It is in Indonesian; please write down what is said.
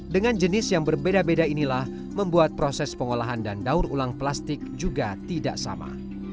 dengan jenis yang berbeda beda inilah membuat proses pengolahan dan daur ulang plastik juga tidak sama